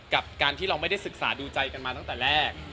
กับการที่เราไม่ได้ศึกษาดูใจกันมาตั้งแต่แรก